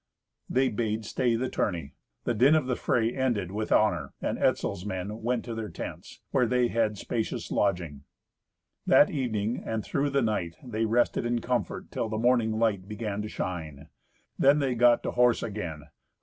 They bade stay the tourney. The din of the fray ended with honour, and Etzel's men went to their tents, where they had spacious lodging. That evening, and through the night, they rested in comfort, till the morning light began to shine. Then they got to horse again.